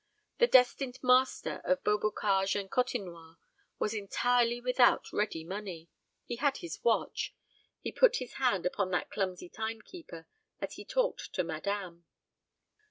The destined master of Beaubocage and Côtenoir was entirely without ready money. He had his watch. He put his hand upon that clumsy timekeeper as he talked to madame.